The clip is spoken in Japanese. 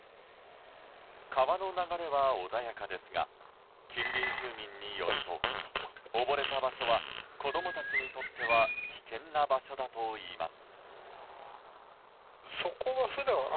川の流れは穏やかですが近隣住民によると溺れた場所は子供たちにとっては危険な場所だといいます。